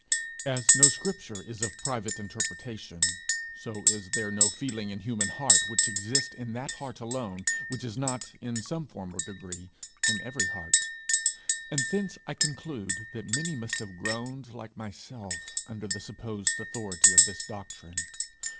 As no scripture is of private interpretation, so is there no feeling in human heart which exists in that heart alone, which is not, in some form or degree, in every heart; and thence I conclude that many must have groaned like myself under the supposed authority of this doctrine.